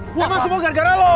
gue mah semua gara gara lo